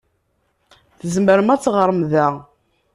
Tzemrem ad teɣṛem da.